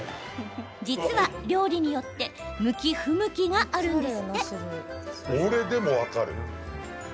実は、料理によって向き不向きがあるんですって。